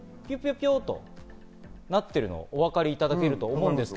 ぴょっとなっているのがお分かりいただけると思います。